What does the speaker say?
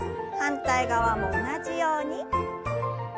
反対側も同じように。